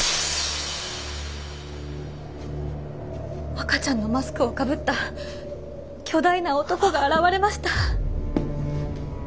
赤ちゃんのマスクをかぶった巨大な男が現れました。